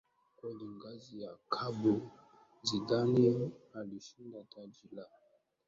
Kwenye ngazi ya klabu Zidane alishinda taji la